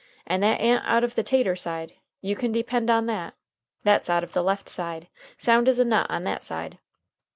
And that a'n't out of the tater side, you can depend on that. That's out of the left side. Sound as a nut on that side!"